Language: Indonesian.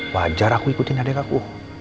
wajar aku ikutin adik aku